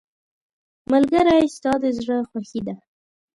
ملګری ستا د زړه خوښي ده.